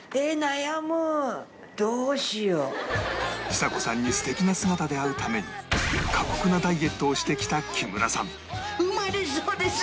ちさ子さんに素敵な姿で会うために過酷なダイエットをしてきた木村さん生まれそうです！